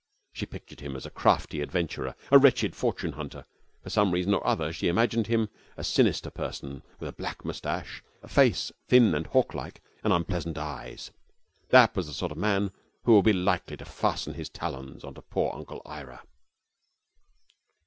She pictured him as a crafty adventurer, a wretched fortune hunter. For some reason or other she imagined him a sinister person with a black moustache, a face thin and hawk like, and unpleasant eyes. That was the sort of man who would be likely to fasten his talons into poor Uncle Ira.